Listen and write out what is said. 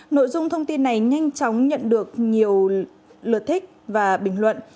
nội dung thông tin này nhanh chóng nhận được nhiều lượt thích và bình luận